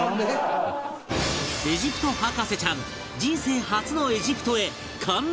エジプト博士ちゃん人生初のエジプトへ完全版